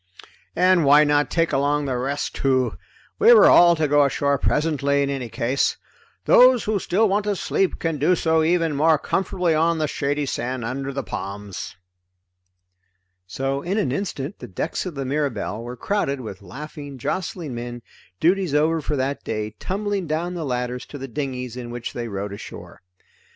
"And why not take along the rest too? We were all to go ashore presently, in any case. Those who still want to sleep can do so even more comfortably on the shady sand under the palms." So in an instant the decks of the Mirabelle were crowded with laughing jostling men, duties over for that day, tumbling down the ladders to the dinghies in which they rowed ashore.